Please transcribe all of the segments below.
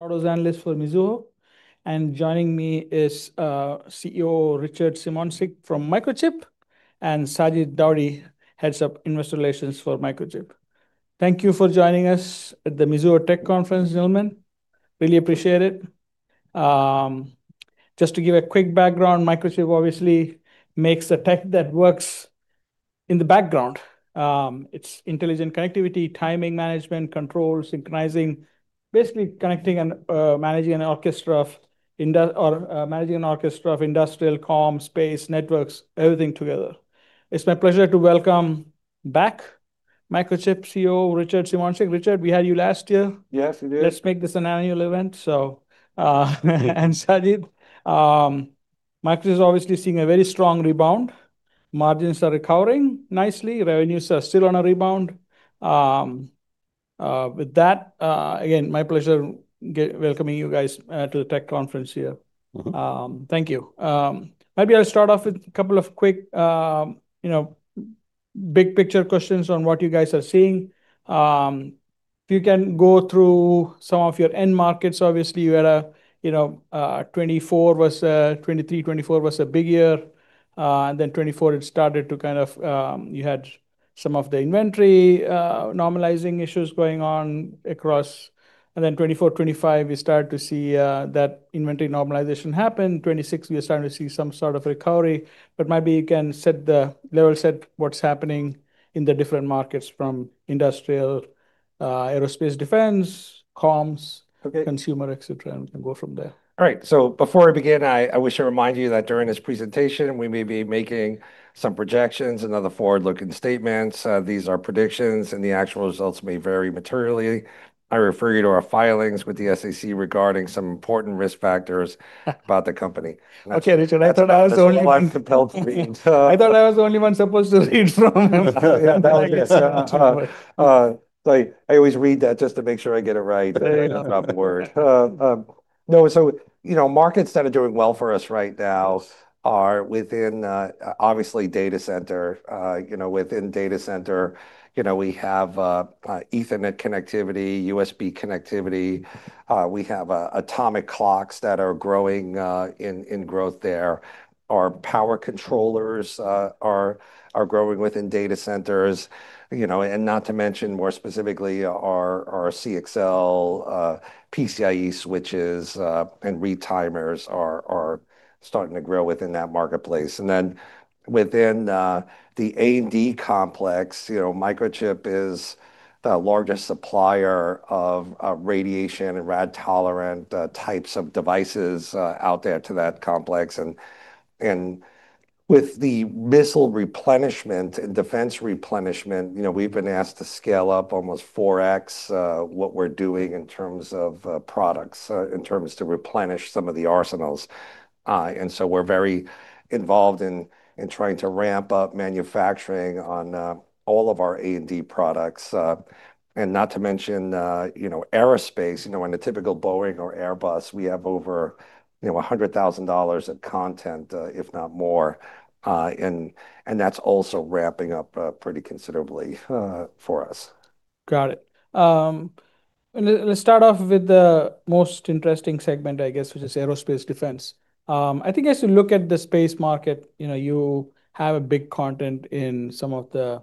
analyst for Mizuho. Joining me is COO Richard Simoncic from Microchip, and Sajid Daudi, heads up Investor Relations for Microchip. Thank you for joining us at the Mizuho Technology Conference, gentlemen. Really appreciate it. Just to give a quick background, Microchip obviously makes the tech that works in the background. It's intelligent connectivity, timing management, control, synchronizing, basically connecting and managing an orchestra of industrial comms, space, networks, everything together. It's my pleasure to welcome back Microchip COO, Richard Simoncic. Richard, we had you last year. Yes, you did. Let's make this an annual event, Sajid, Microchip's obviously seeing a very strong rebound. Margins are recovering nicely. Revenues are still on a rebound. With that, again, my pleasure welcoming you guys to the Technology Conference here. Thank you. Maybe I'll start off with a couple of quick big picture questions on what you guys are seeing. If you can go through some of your end markets. Obviously, 2023, 2024 was a big year. Then 2024 you had some of the inventory normalizing issues, 2024, 2025, we started to see that inventory normalization happen. 2026, we are starting to see some sort of recovery, but maybe you can level set what's happening in the different markets from industrial, aerospace, defense, comms- Okay consumer, et cetera, and we can go from there. All right. Before I begin, I wish to remind you that during this presentation we may be making some projections and other forward-looking statements. These are predictions, and the actual results may vary materially. I refer you to our filings with the SEC regarding some important risk factors about the company. Okay, Richard, I thought I was the only one. That's a life-compelled read I thought I was the only one supposed to read from them. Yeah. That was, so I always read that just to make sure I get it right. Yeah. Not drop a word. Markets that are doing well for us right now are within, obviously, data center. Within data center, we have Ethernet connectivity, USB connectivity. We have atomic clocks that are growing in growth there. Our power controllers are growing within data centers, not to mention more specifically our CXL PCIe switches and retimers are starting to grow within that marketplace. Within the A&D complex, Microchip is the largest supplier of radiation and Rad-tolerant types of devices out there to that complex. With the missile replenishment and defense replenishment, we've been asked to scale up almost 4x what we're doing in terms of products, in terms to replenish some of the arsenals. We're very involved in trying to ramp up manufacturing on all of our A&D products. Not to mention aerospace. In a typical Boeing or Airbus, we have over $100,000 of content, if not more, that's also ramping up pretty considerably for us. Got it. Let's start off with the most interesting segment, I guess, which is aerospace defense. I think as you look at the space market, you have a big content in some of the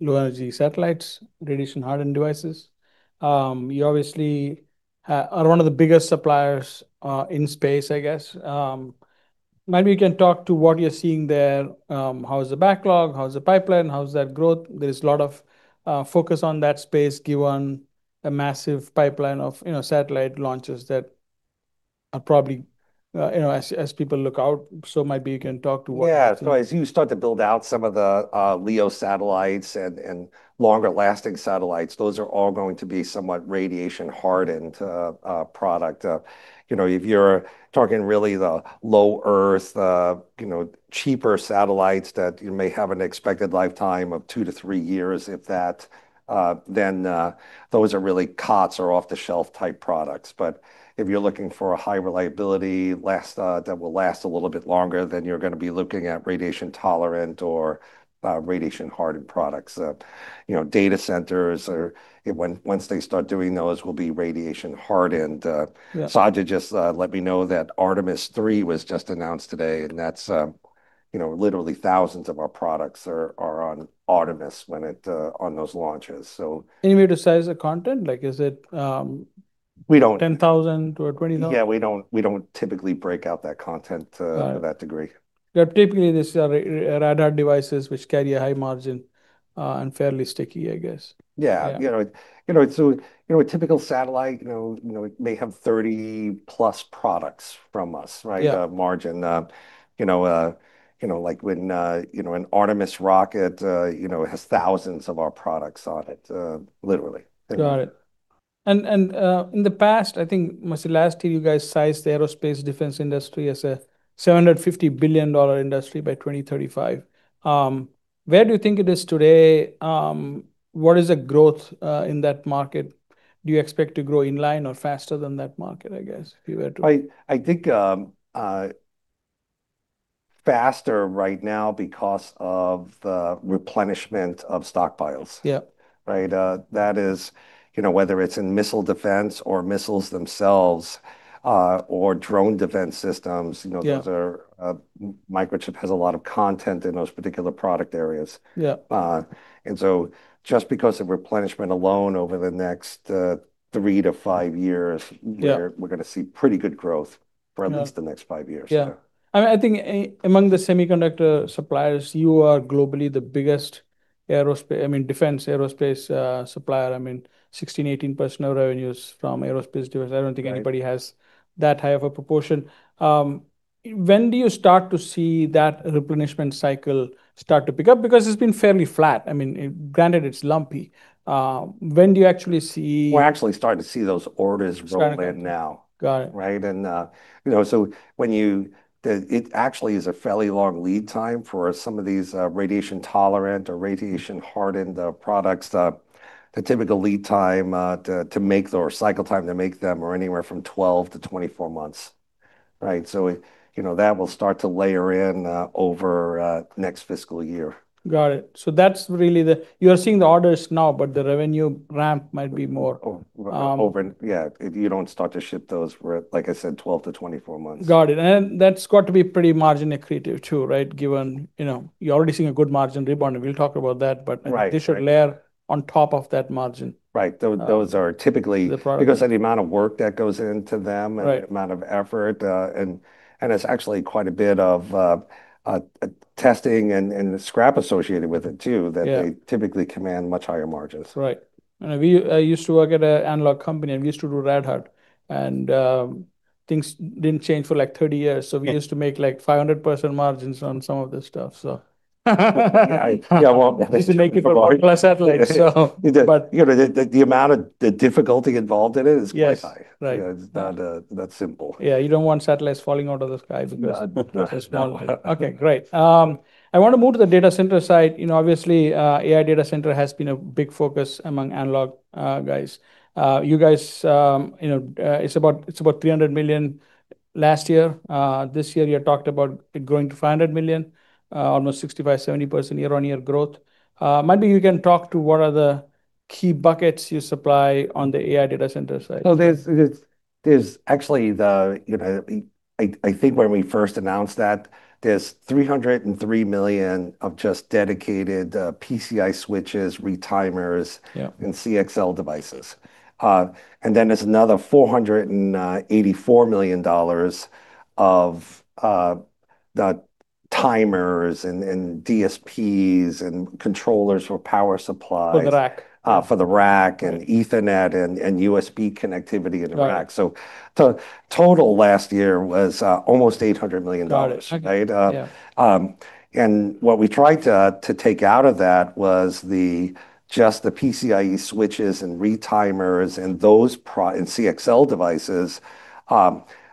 low-energy satellites, radiation-hardened devices. You obviously are one of the biggest suppliers in space, I guess. Maybe you can talk to what you're seeing there. How's the backlog? How's the pipeline? How's that growth? There's a lot of focus on that space given a massive pipeline of satellite launches that are probably, as people look out, so maybe you can talk to what. Yeah. As you start to build out some of the LEO satellites and longer-lasting satellites, those are all going to be somewhat radiation-hardened product. If you're talking really the low Earth, cheaper satellites that you may have an expected lifetime of two to three years, if that, then those are really COTS or off-the-shelf type products. If you're looking for a high reliability that will last a little bit longer, then you're going to be looking at radiation-tolerant or radiation-hardened products. Data centers, once they start doing those, will be radiation-hardened. Yeah. Sajid just let me know that Artemis III was just announced today. That's literally thousands of our products are on Artemis on those launches. Any way to size the content? Like, is it. We don't. 10,000 or 20,000? Yeah, we don't typically break out that content. Got it. to that degree. Yeah, typically these are radar devices which carry a high margin and fairly sticky, I guess. Yeah. Yeah. A typical satellite may have 30+ products from us, right? Yeah. Margin, like when an Artemis rocket has thousands of our products on it, literally. Got it. In the past, I think it was the last year, you guys sized the aerospace defense industry as a $750 billion industry by 2035. Where do you think it is today? What is the growth in that market? Do you expect to grow in line or faster than that market, I guess, if you were to? Faster right now because of the replenishment of stockpiles. Yeah. Right. That is, whether it's in missile defense or missiles themselves, or drone defense systems- Yeah Microchip has a lot of content in those particular product areas. Yeah. Just because of replenishment alone over the next 3-5 years. Yeah We're going to see pretty good growth. Yeah For at least the next five years. Yeah. I think among the semiconductor suppliers, you are globally the biggest defense aerospace supplier. I mean, 16%, 18% of revenues from aerospace defense. I don't think anybody has that high of a proportion. When do you start to see that replenishment cycle start to pick up? It's been fairly flat. Granted, it's lumpy. When do you actually see? We're actually starting to see those orders roll in now. Got it. Right. When you It actually is a fairly long lead time for some of these rad-tolerant or rad-hard products. The typical lead time to make, or cycle time to make them are anywhere from 12-24 months. Right. That will start to layer in over next fiscal year. Got it. That's really, you are seeing the orders now, but the revenue ramp might be more. Over, yeah. You don't start to ship those for, like I said, 12-24 months. Got it. That's got to be pretty margin accretive too, right? Given, you're already seeing a good margin rebound, and we'll talk about that. Right This should layer on top of that margin. Right. Those are. The product- Because of the amount of work that goes into them, Right The amount of effort, and it's actually quite a bit of testing and scrap associated with it, too, Yeah that they typically command much higher margins. Right. I used to work at an analog company, and we used to do rad-hard, and things didn't change for, like, 30 years, so we used to make like 500% margins on some of this stuff. Yeah. Used to make it for satellites. The amount of the difficulty involved in it is quite high. Yes. Right It's not that simple. Yeah, you don't want satellites falling out of the sky because. No. Okay, great. I want to move to the data center side. Obviously, AI data center has been a big focus among analog guys. You guys, it's about $300 million last year. This year, you had talked about it growing to $500 million, almost 65%-70% year-on-year growth. Maybe you can talk to what are the key buckets you supply on the AI data center side. No, there's actually, I think when we first announced that, there's $303 million of just dedicated PCIe switches, retimers. Yeah CXL devices. There's another $484 million of the timers and DSPs and controllers for power supplies. For the rack. For the rack, Ethernet, and USB connectivity in the rack. Got it. The total last year was almost $800 million. Got it. Okay. Right? Yeah. What we tried to take out of that was just the PCIe switches and retimers and those CXL devices,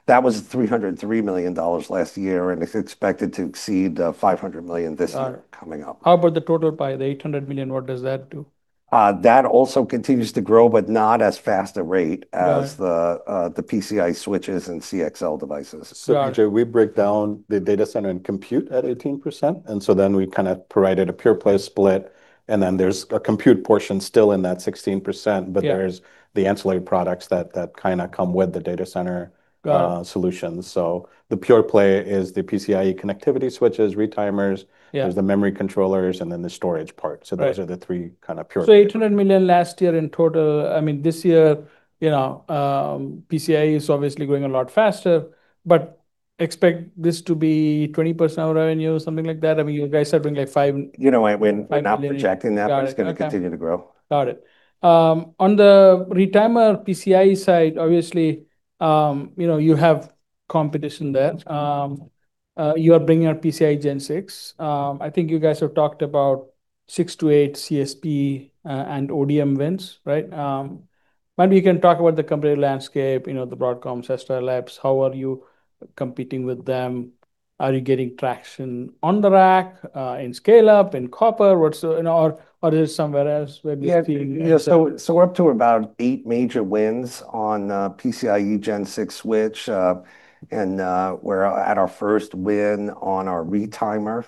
that was $303 million last year, and it's expected to exceed $500 million this year. Got it coming up. How about the total pie, the $800 million, what does that do? That also continues to grow, but not as fast a rate as the. Got it. the PCI switches and CXL devices. Got it. Vijay, we break down the data center and compute at 18%, we kind of provided a pure play split, there's a compute portion still in that 16%. Yeah There's the ancillary products that kind of come with the data center. Got it. solutions. The pure play is the PCIe connectivity switches, retimers. Yeah. There's the memory controllers, and then the storage part. Right. Those are the three kind of pure play. $800 million last year in total. This year, PCIe is obviously growing a lot faster, but expect this to be 20% of revenue, something like that? You guys are doing, like, five? We're not projecting that. Got it. Okay. It's going to continue to grow. Got it. On the retimer PCIe side, obviously, you have competition there. You are bringing out PCIe Gen 6. I think you guys have talked about six to eight CSP and ODM wins, right? Maybe you can talk about the competitive landscape, the Broadcom, Astera Labs. How are you competing with them? Are you getting traction on the rack, in scale-up, in copper? Or is it somewhere else where you see- We're up to about eight major wins on PCIe Gen 6 switch. We're at our first win on our retimer.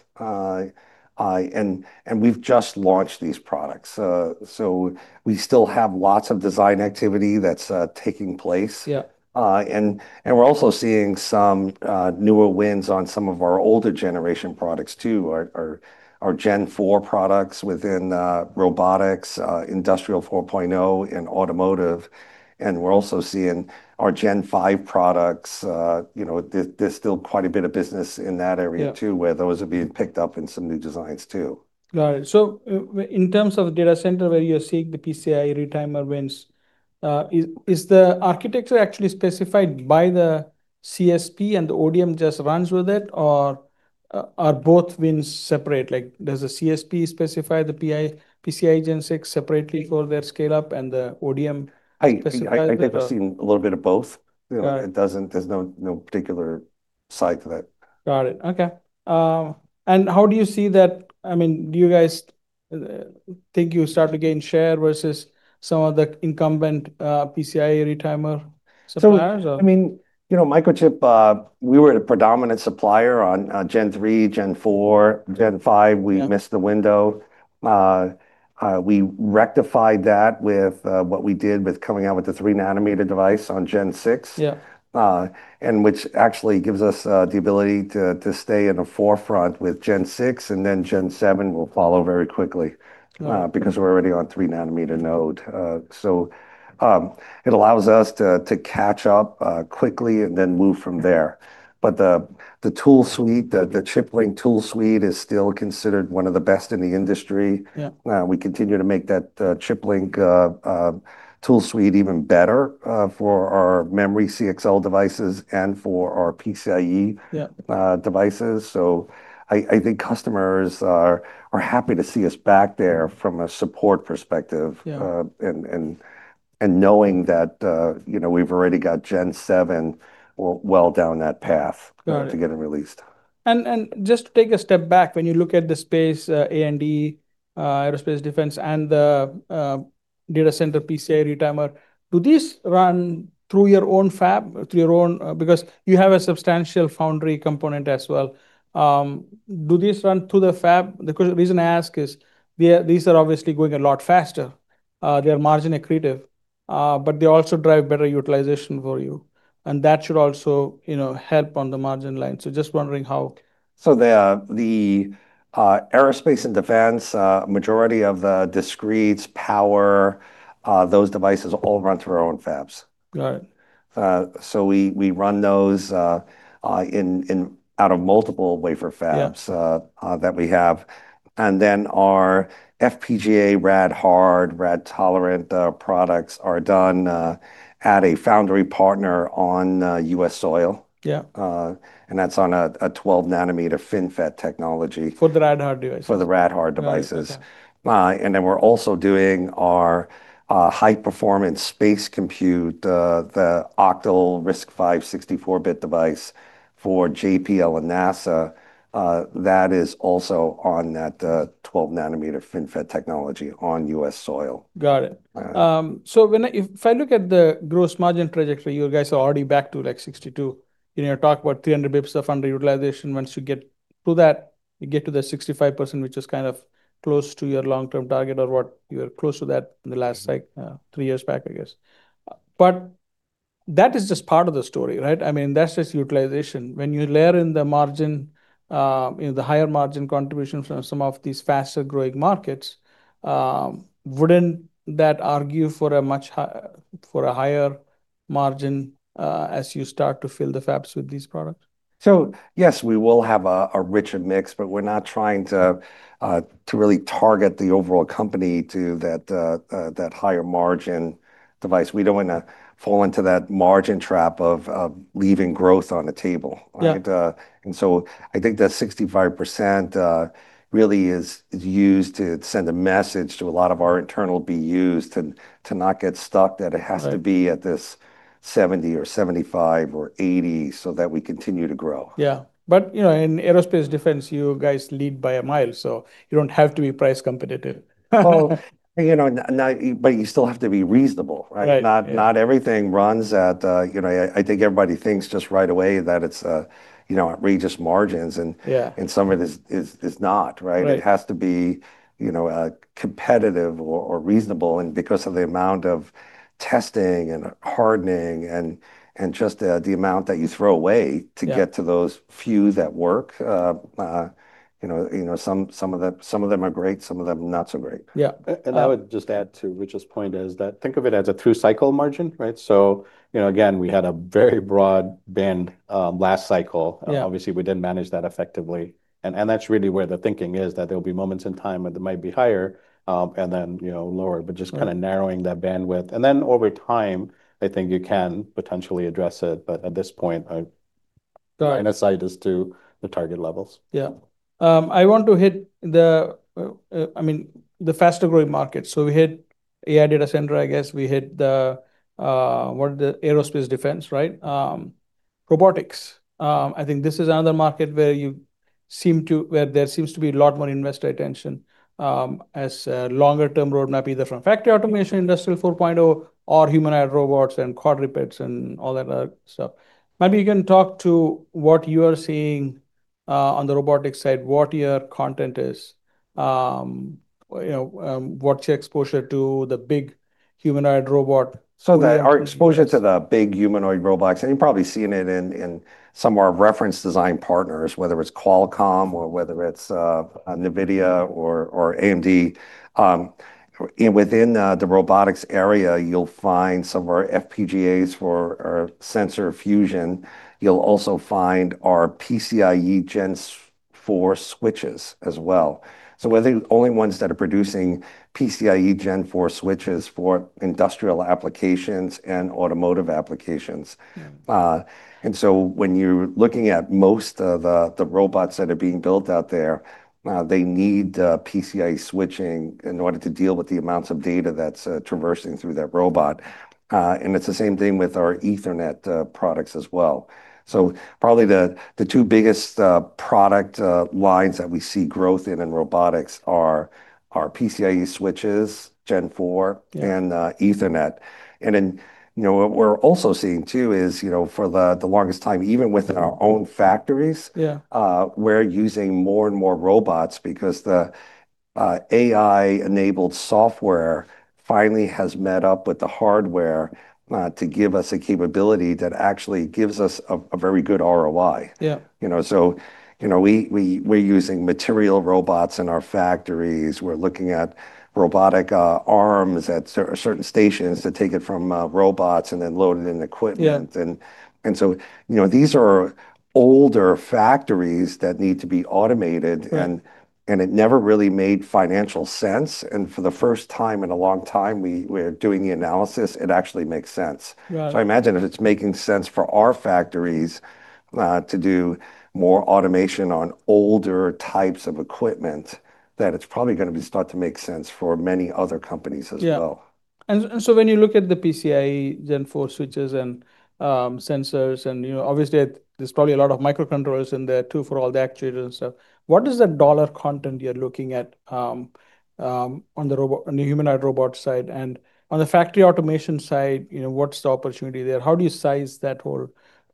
We've just launched these products, so we still have lots of design activity that's taking place. Yeah. We're also seeing some newer wins on some of our older generation products, too. Our Gen 4 products within robotics, Industry 4.0 in automotive, and we're also seeing our Gen 5 products. There's still quite a bit of business in that area, too- Yeah where those are being picked up in some new designs, too. Got it. In terms of data center, where you are seeing the PCIe retimer wins, is the architecture actually specified by the CSP and the ODM just runs with it, or are both wins separate? Like, does the CSP specify the PCIe Gen 6 separately for their scale up and the ODM specifies the? I've seen a little bit of both. Got it. There's no particular side to that. Got it. Okay. How do you see that, Think you start to gain share versus some of the incumbent PCIe retimer suppliers. Microchip, we were the predominant supplier on Gen 3, Gen 4, Gen 5. Yeah. We missed the window. We rectified that with what we did with coming out with the three nanometer device on Gen 6. Yeah. Which actually gives us the ability to stay in the forefront with Gen 6, and then Gen 7 will follow very quickly. Right We're already on three nanometer node. It allows us to catch up quickly and then move from there. The tool suite, the Switchtec tool suite, is still considered one of the best in the industry. Yeah. We continue to make that Switchtec tool suite even better for our memory CXL devices and for our PCIe. Yeah devices. I think customers are happy to see us back there from a support perspective. Yeah. Knowing that we've already got PCIe Gen 7 well down that path. Got it to getting released. Just to take a step back, when you look at the space, A&D, aerospace defense, and the data center PCIe retimer, do these run through your own fab? Because you have a substantial foundry component as well. Do these run through the fab? The reason I ask is these are obviously going a lot faster. They're margin accretive, but they also drive better utilization for you, and that should also help on the margin line. Just wondering how? The aerospace and defense, majority of discretes power, those devices all run through our own fabs. Got it. We run those out of multiple wafer fabs. Yeah that we have. Then our FPGA rad-hard, rad-tolerant products are done at a foundry partner on U.S. soil. Yeah. That's on a 12 nm FinFET technology. For the rad-hard devices? For the rad-hard devices. Right, okay. We're also doing our high-performance space compute, the Octal RISC-V 64-bit device for JPL and NASA. That is also on that 12 nm FinFET technology on U.S. soil. Got it. All right. If I look at the gross margin trajectory, you guys are already back to like 62%. You talk about 300 basis points of underutilization. Once you get to that, you get to the 65%, which is close to your long-term target, or what you are close to that in the last three years back, I guess. That is just part of the story, right? That's just utilization. When you layer in the higher margin contribution from some of these faster-growing markets, wouldn't that argue for a higher margin, as you start to fill the fabs with these products? Yes, we will have a richer mix, but we're not trying to really target the overall company to that higher margin device. We don't want to fall into that margin trap of leaving growth on the table. Yeah. I think that 65% really is used to send a message to a lot of our internal BUs to not get stuck, that it has to be Right at this 70 or 75 or 80, so that we continue to grow. Yeah. In Aerospace Defense, you guys lead by a mile, so you don't have to be price competitive. You still have to be reasonable, right? Right. Yeah. Not everything runs at, I think everybody thinks just right away that it's outrageous margins. Yeah Some of it is not, right? Right. It has to be competitive or reasonable, and because of the amount of testing and hardening and just the amount that you throw away. Yeah To get to those few that work. Some of them are great, some of them not so great. Yeah. I would just add to Richard's point is that think of it as a two-cycle margin, right? Again, we had a very broad band last cycle. Yeah. Obviously, we didn't manage that effectively, and that's really where the thinking is, that there'll be moments in time where it might be higher, and then lower. Just narrowing that bandwidth, and then over time, I think you can potentially address it. At this point. Got it insight as to the target levels. Yeah. I want to hit the faster-growing market. We hit AI data center, I guess we hit the aerospace defense, right? Robotics, I think this is another market where there seems to be a lot more investor attention as a longer-term roadmap, either from factory automation, Industry 4.0, or humanoid robots and quadrupeds and all that other stuff. Maybe you can talk to what you are seeing on the robotics side, what your content is. What's your exposure to the big humanoid robot? Our exposure to the big humanoid robots, and you've probably seen it in some of our reference design partners, whether it's Qualcomm or whether it's NVIDIA or AMD. Within the robotics area, you'll find some of our FPGAs for our sensor fusion. You'll also find our PCIe Gen 4 switches as well. We're the only ones that are producing PCIe Gen 4 switches for industrial applications and automotive applications. Yeah. When you're looking at most of the robots that are being built out there, they need PCIe switching in order to deal with the amounts of data that's traversing through that robot. It's the same thing with our Ethernet products as well. Probably the two biggest product lines that we see growth in in robotics are PCIe switches Gen 4. Yeah Ethernet. What we're also seeing too is, for the longest time, even within our own factories. Yeah We're using more and more robots because the AI-enabled software finally has met up with the hardware to give us a capability that actually gives us a very good ROI. Yeah. We're using material robots in our factories. We're looking at robotic arms at certain stations to take it from robots and then load it in equipment. Yeah. These are older factories that need to be automated. Right. It never really made financial sense. For the first time in a long time, we're doing the analysis, it actually makes sense. Right. I imagine if it's making sense for our factories to do more automation on older types of equipment, it's probably going to be start to make sense for many other companies as well. Yeah. When you look at the PCIe Gen4 switches and sensors and obviously there's probably a lot of microcontrollers in there too for all the actuators and stuff. What is the dollar content you're looking at on the humanoid robot side? On the factory automation side, what's the opportunity there? How do you size that whole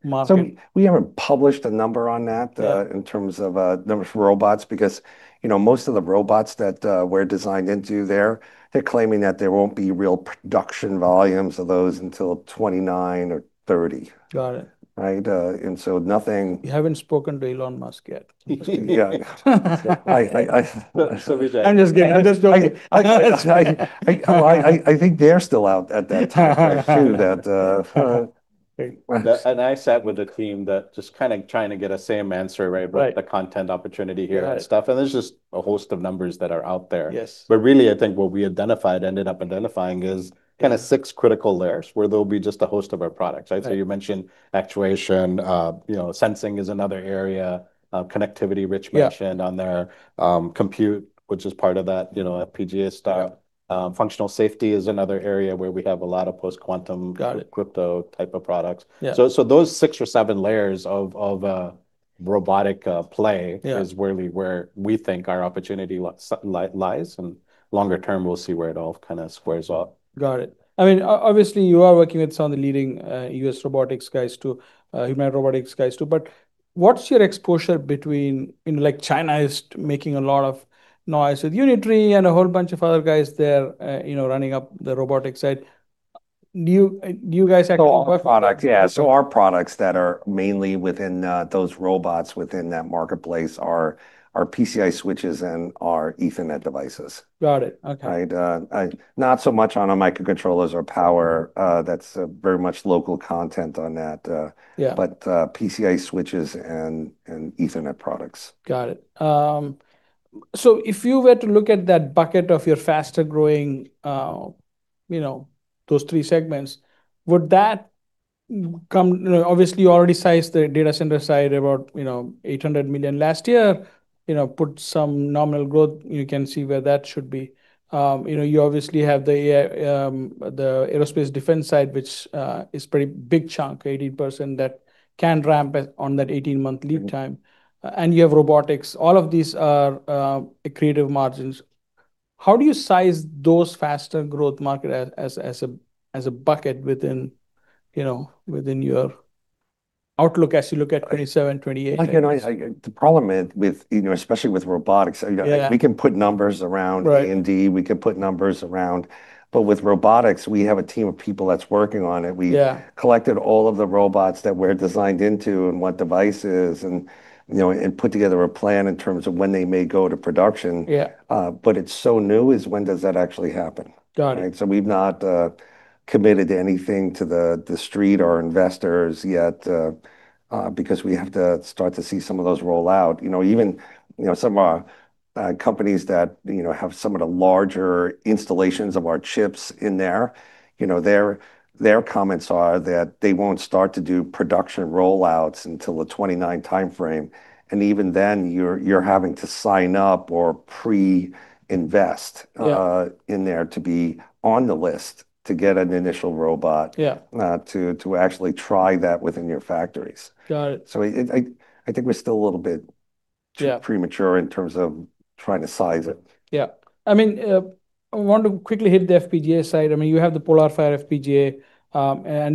market? We haven't published a number on that. Yeah. In terms of numbers for robots, because most of the robots that were designed into there, they're claiming that there won't be real production volumes of those until 2029 or 2030. Got it. Right. You haven't spoken to Elon Musk yet. Yeah. Be that. I'm just kidding. I'm just joking. I think they're still out at that time too. I sat with a team that just trying to get a same answer, right? Right. About the content opportunity here and stuff. Right. There's just a host of numbers that are out there. Yes. Really, I think what we identified, ended up identifying is six critical layers where there'll be just a host of our products, right? Right. You mentioned actuation, sensing is another area, connectivity Rich mentioned. Yeah. On their compute, which is part of that FPGA style. Yeah. Functional safety is another area where we have a lot of post-quantum crypto type of products. Got it. Yeah. Those six or seven layers of robotic play. Yeah, is really where we think our opportunity lies, and longer term we'll see where it all squares up. Got it. Obviously, you are working with some of the leading U.S. robotics guys too, human robotics guys too. What's your exposure between China is making a lot of noise with Unitree and a whole bunch of other guys there, running up the robotic side. Do you guys actually? Our products that are mainly within those robots within that marketplace are our PCIe switches and our Ethernet devices. Got it. Okay. Right. Not so much on our microcontrollers or power, that's very much local content on that. Yeah, PCIe switches and Ethernet products. Got it. If you were to look at that bucket of your faster-growing, those three segments, would that come? Obviously, you already sized the data center side about $800 million last year. Put some nominal growth, you can see where that should be. You obviously have the Aerospace Defense side, which is pretty big chunk, 80% that can ramp on that 18-month lead time, and you have robotics. All of these are accretive margins. How do you size those faster growth market as a bucket within your outlook as you look at 2027, 2028? The problem, especially with robotics. Yeah, we can put numbers around AMD. Right. We can put numbers around. With robotics, we have a team of people that's working on it. Yeah. We collected all of the robots that we're designed into and what devices, and put together a plan in terms of when they may go to production. Yeah. It's so new is when does that actually happen? Got it. We've not committed anything to the street or investors yet, because we have to start to see some of those roll out. Even some companies that have some of the larger installations of our chips in there, their comments are that they won't start to do production roll-outs until the 2029 timeframe. Even then, you're having to sign up or pre-invest. Yeah, in there to be on the list to get an initial robot. Yeah, to actually try that within your factories. Got it. I think we're still a little bit. Yeah, premature in terms of trying to size it. Yeah. I want to quickly hit the FPGA side. You have the PolarFire FPGA.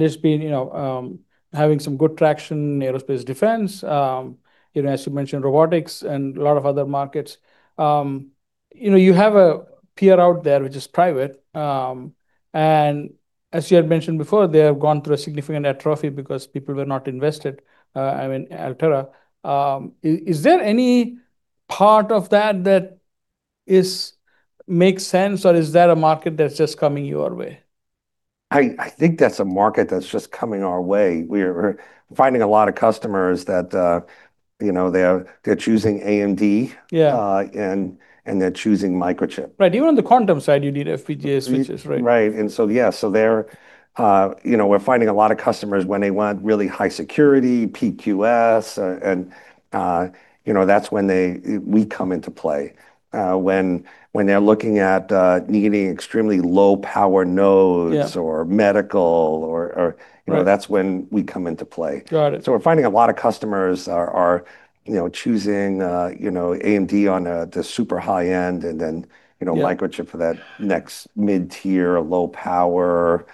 It's been having some good traction in Aerospace Defense. As you mentioned, robotics and a lot of other markets. You have a peer out there, which is private. As you had mentioned before, they have gone through a significant atrophy because people were not invested, Altera. Is there any part of that that makes sense, or is that a market that's just coming your way? I think that's a market that's just coming our way. We're finding a lot of customers that they're choosing AMD. Yeah, and they're choosing Microchip. Right. Even on the quantum side, you need FPGA switches, right? Right. Yeah. We're finding a lot of customers when they want really high security, PQC, and that's when we come into play. When they're looking at needing extremely low power nodes. Yeah or medical or. Right, that's when we come into play. Got it. We're finding a lot of customers are choosing AMD on the super high end, and then, you know, Microchip for that next mid-tier, low power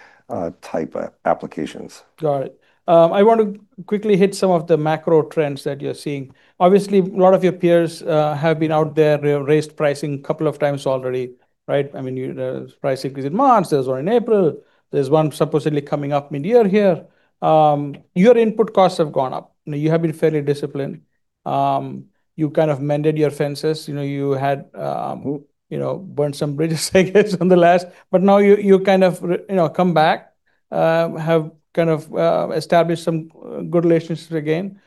type applications. Got it. I want to quickly hit some of the macro trends that you're seeing. Obviously, a lot of your peers have been out there, they have raised pricing a couple of times already, right? There was a price increase in March, there was one in April. There's one supposedly coming up mid-year here. Your input costs have gone up. You have been fairly disciplined. You kind of mended your fences. You had burned some bridges, I guess on the last, you kind of come back, have kind of established some good relationships again.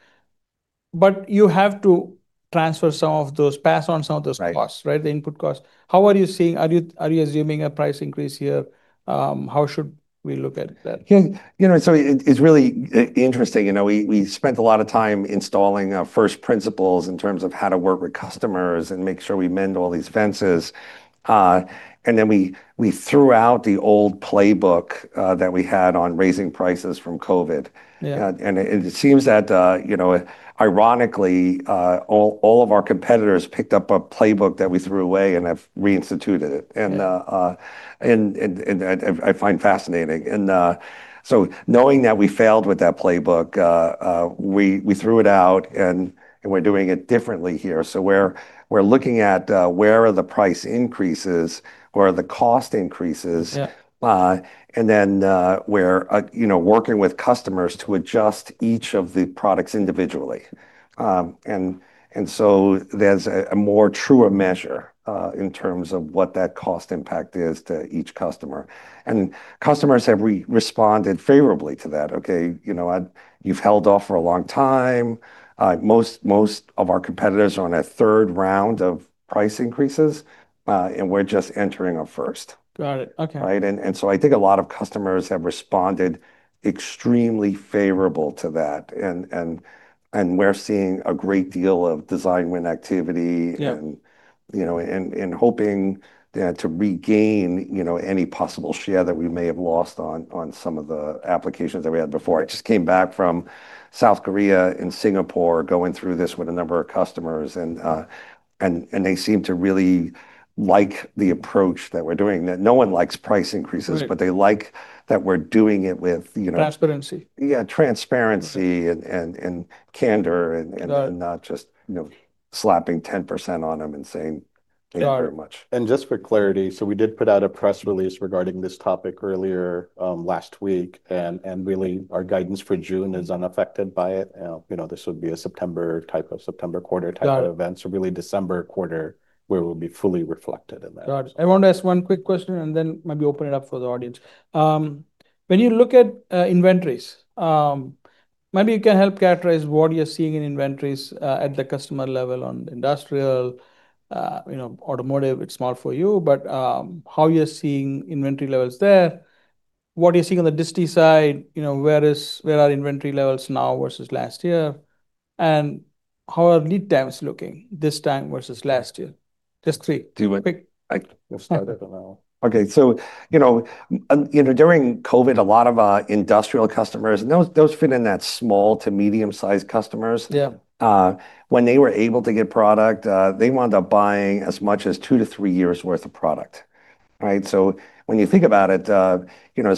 You have to transfer some of those, pass on some of those costs, right? The input costs. Right How are you seeing, are you assuming a price increase here? How should we look at that? Yeah. It's really interesting. We spent a lot of time installing first principles in terms of how to work with customers and make sure we mend all these fences. Then we threw out the old playbook that we had on raising prices from COVID. Yeah. It seems that ironically, all of our competitors picked up a playbook that we threw away and have reinstituted it. Yeah. I find fascinating. Knowing that we failed with that playbook, we threw it out, and we're doing it differently here. We're looking at where are the price increases, where are the cost increases. Yeah We're working with customers to adjust each of the products individually. There's a more truer measure in terms of what that cost impact is to each customer. Customers have responded favorably to that. Okay, you've held off for a long time. Most of our competitors are on a third round of price increases, and we're just entering our first. Got it, okay. Right? I think a lot of customers have responded extremely favorable to that, and we're seeing a great deal of design win activity. Yeah Hoping to regain any possible share that we may have lost on some of the applications that we had before. I just came back from South Korea and Singapore, going through this with a number of customers and they seem to really like the approach that we're doing. That no one likes price increases. Right They like that we're doing it with. Transparency. Yeah, transparency and candor. Got it. not just slapping 10% on them and saying, "Thank you very much. Got it. Just for clarity, we did put out a press release regarding this topic earlier, last week, and really our guidance for June is unaffected by it. This would be a September quarter type of event. Got it. really October quarter, where it will be fully reflected in that. Got it. I want to ask one quick question and then maybe open it up for the audience. When you look at inventories, maybe you can help characterize what you're seeing in inventories at the customer level on industrial, automotive it's not for you, but how you're seeing inventory levels there. What are you seeing on the distie side? Where are inventory levels now versus last year? How are lead times looking this time versus last year? Just three. Do you want. Quick. I can start it now. Okay, during COVID, a lot of our industrial customers, and those fit in that small to medium-sized customers. Yeah. When they were able to get product, they wound up buying as much as two to three years' worth of product. Right? When you think about it,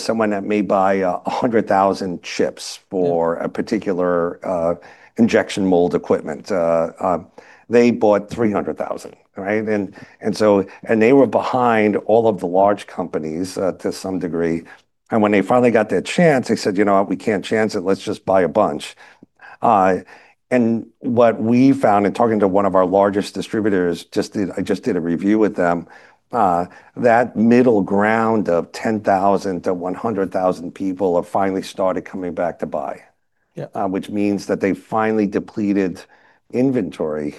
someone that may buy 100,000 chips. Yeah a particular injection mold equipment, they bought 300,000, right? They were behind all of the large companies, to some degree. When they finally got their chance, they said, "You know what? We can't chance it. Let's just buy a bunch." What we found in talking to one of our largest distributors, I just did a review with them, that middle ground of 10,000 to 100,000 people have finally started coming back to buy. Yeah. Which means that they finally depleted inventory.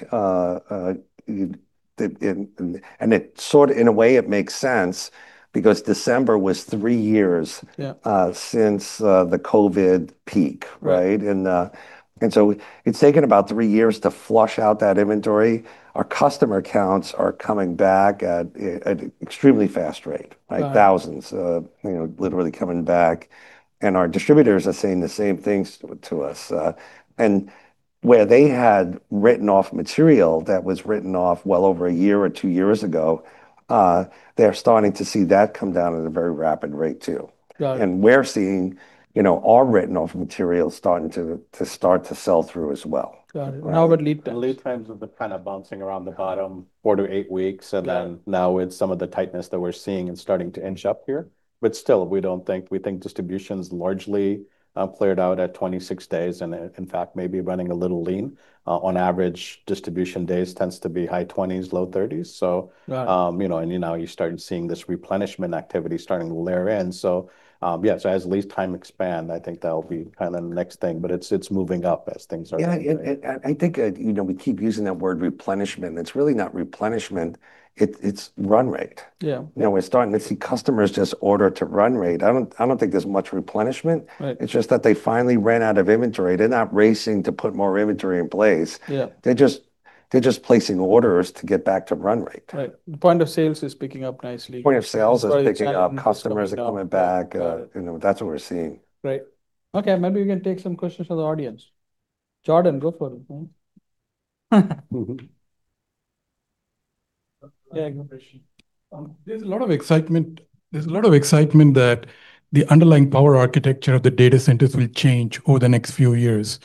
In a way, it makes sense because December was three years. Yeah since the COVID peak, right? Right. It's taken about three years to flush out that inventory. Our customer counts are coming back at an extremely fast rate. Right. Thousands, literally coming back and our distributors are saying the same things to us. Where they had written off material that was written off well over a year or two years ago, they're starting to see that come down at a very rapid rate, too. Got it. We're seeing our written off material starting to sell through as well. Got it. How about lead times? Lead times have been kind of bouncing around the bottom four to eight weeks, then now with some of the tightness that we're seeing, it's starting to inch up here. But still, we think distribution's largely cleared out at 26 days, and in fact, may be running a little lean. On average, distribution days tends to be high 20s, low 30s. Right You're now you're starting seeing this replenishment activity starting to layer in, so, yeah. As lead time expand, I think that'll be kind of the next thing, but it's moving up as things are getting better. Yeah, I think we keep using that word replenishment. It's really not replenishment. It's run rate. Yeah. We're starting to see customers just order to run rate. I don't think there's much replenishment. Right. It's just that they finally ran out of inventory. They're not racing to put more inventory in place. Yeah. They're just placing orders to get back to run rate. Right. The point of sales is picking up nicely. Point of sales is picking up. Customers are coming back. Got it. That's what we're seeing. Right. Okay, maybe we can take some questions from the audience, Jordan, go for it. Yeah, go. There's a lot of excitement that the underlying power architecture of the data centers will change over the next few years.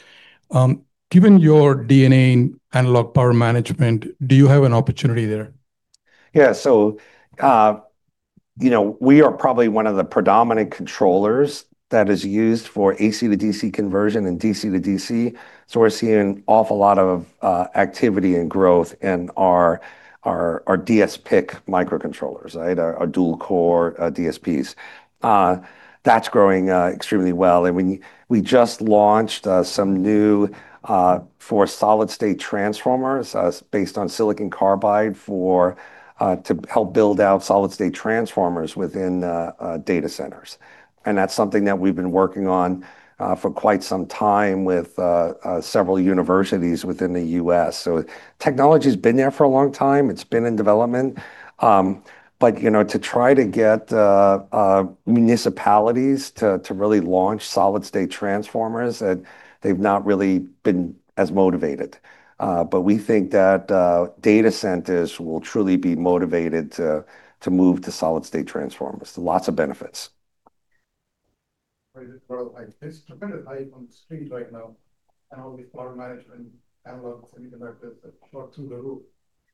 Given your DNA in analog power management, do you have an opportunity there? We are probably one of the predominant controllers that is used for AC-to-DC conversion and DC-to-DC, we're seeing an awful lot of activity and growth in our dsPIC microcontrollers, right, our dual core DSPs. That's growing extremely well, and we just launched some new for solid state transformers based on silicon carbide to help build out solid state transformers within data centers. That's something that we've been working on for quite some time with several universities within the U.S. Technology's been there for a long time. It's been in development. To try to get municipalities to really launch solid state transformers, they've not really been as motivated. We think that data centers will truly be motivated to move to solid state transformers. Lots of benefits. It's tremendous hype on the street right now, all the power management, analogs, semiconductors are through the roof.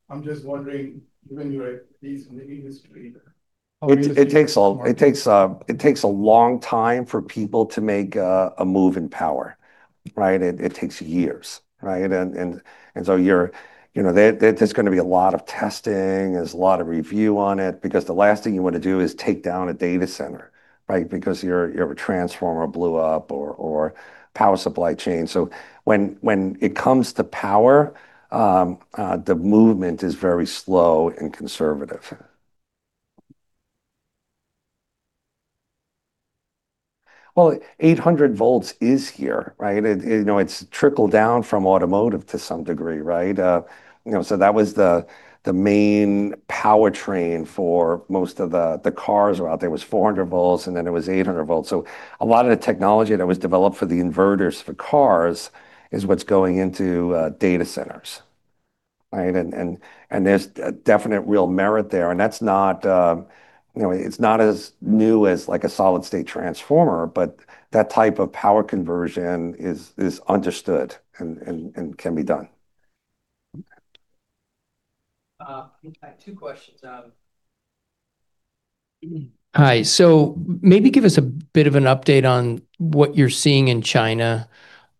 I'm just wondering, given your piece in the industry. It takes a long time for people to make a move in power, right? It takes years, right? There's going to be a lot of testing, there's a lot of review on it, because the last thing you want to do is take down a data center, right? Because your transformer blew up or power supply chain. When it comes to power, the movement is very slow and conservative. 800 volts is here, right? It's trickled down from automotive to some degree, right? That was the main powertrain for most of the cars that were out there. It was 400 volts, and then it was 800 volts. A lot of the technology that was developed for the inverters for cars is what's going into data centers, right? There's a definite real merit there, and it's not as new as a solid state transformer, but that type of power conversion is understood and can be done. Okay. I have two questions. Hi. Maybe give us a bit of an update on what you're seeing in China,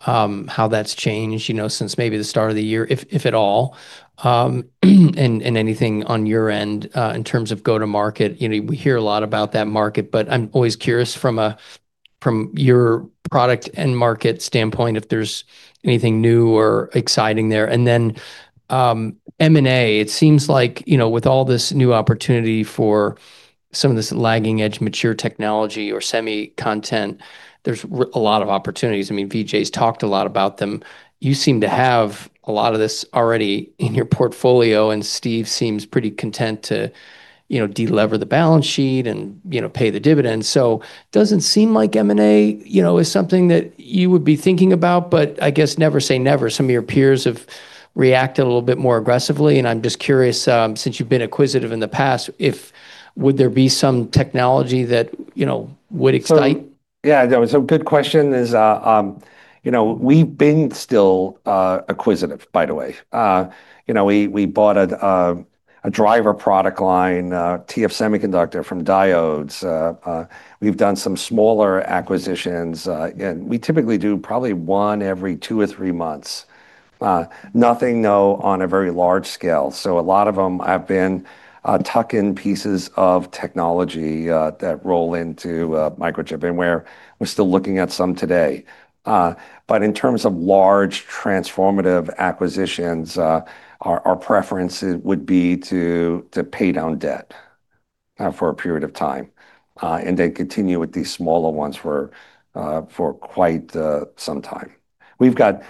how that's changed since maybe the start of the year, if at all, and anything on your end, in terms of go to market. We hear a lot about that market, but I'm always curious from your product end market standpoint, if there's anything new or exciting there. M&A, it seems like, with all this new opportunity for some of this lagging edge mature technology or semi content, there's a lot of opportunities. Vijay's talked a lot about them. You seem to have a lot of this already in your portfolio, and Steve seems pretty content to de-lever the balance sheet and pay the dividends. Doesn't seem like M&A is something that you would be thinking about, but I guess never say never. Some of your peers have reacted a little bit more aggressively, I'm just curious, since you've been acquisitive in the past, would there be some technology that would excite? Good question. We've been still acquisitive, by the way. We bought a driver product line, TF Semiconductor from Diodes Incorporated. We've done some smaller acquisitions. We typically do probably one every two or three months. Nothing, though, on a very large scale. A lot of them have been tuck-in pieces of technology that roll into Microchip Technology, and we're still looking at some today. In terms of large, transformative acquisitions, our preference would be to pay down debt for a period of time, and then continue with these smaller ones for quite some time. We've got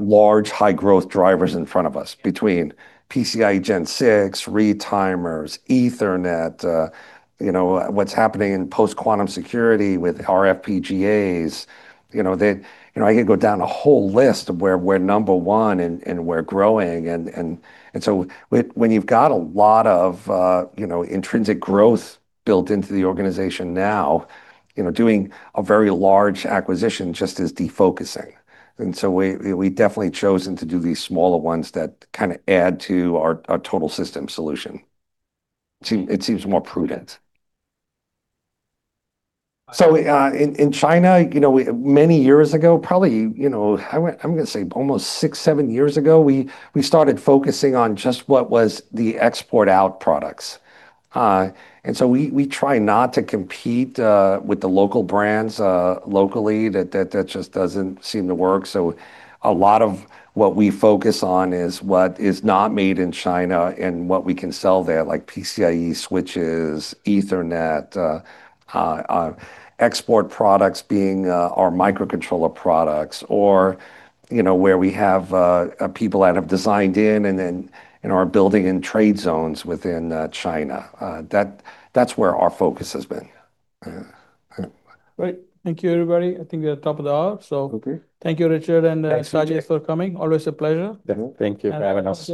large, high growth drivers in front of us, between PCIe Gen 6, retimers, Ethernet, what's happening in post-quantum security with RT FPGAs. I could go down a whole list of where we're number one and we're growing. When you've got a lot of intrinsic growth built into the organization now, doing a very large acquisition just is defocusing. We've definitely chosen to do these smaller ones that kind of add to our total system solution. It seems more prudent. In China, many years ago probably, I'm going to say almost six, seven years ago, we started focusing on just what was the export out products. We try not to compete with the local brands locally. That just doesn't seem to work. A lot of what we focus on is what is not made in China and what we can sell there, like PCIe switches, Ethernet, export products being our microcontroller products, or where we have people that have designed in and are building in trade zones within China. That's where our focus has been. Great. Thank you, everybody. I think we're at the top of the hour. Okay. Thank you, Richard and Sajid. Thanks, Vijay. for coming. Always a pleasure. Thank you for having us.